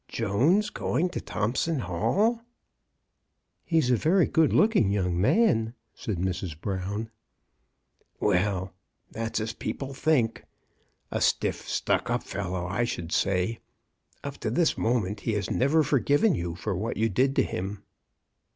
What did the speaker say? Jones going to Thompson Hall !"He's a very good looking young man," said Mrs. Brown. Well — that's as people think. A stiff, stuck up fellow, I should say. Up to this mo ment he has never forgiven you for what you did to him."